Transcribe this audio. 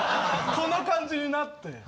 こんな感じになって。